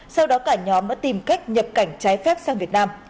sau đó cả nhóm đã tìm cách nhập cảnh trái phép sang việt nam